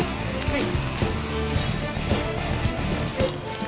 はい。